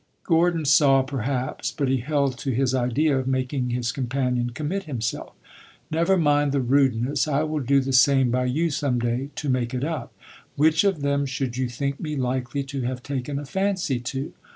Gordon saw, perhaps, but he held to his idea of making his companion commit himself. "Never mind the rudeness. I will do the same by you some day, to make it up. Which of them should you think me likely to have taken a fancy to?